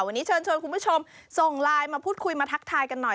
วันนี้เชิญชวนคุณผู้ชมส่งไลน์มาพูดคุยมาทักทายกันหน่อย